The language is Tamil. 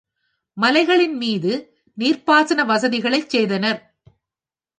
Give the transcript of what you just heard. மலைகளின் மீது நீர்ப்பாசன வசதிகளைச் செய்தனர்.